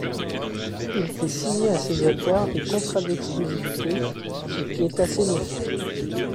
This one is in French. Il fait signer à ses auteurs des contrats d'exclusivité, ce qui est assez nouveau.